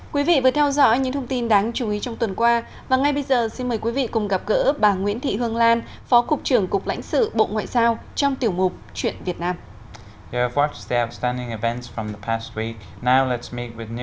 quý vị vừa theo dõi những thông tin đáng chú ý trong tuần qua và ngay bây giờ xin mời quý vị cùng gặp gỡ bà nguyễn thị hương lan phó cục trưởng cục lãnh sự bộ ngoại giao trong tiểu mục chuyện việt nam